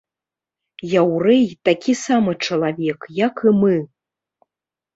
Яўрэй такі самы чалавек, як і мы.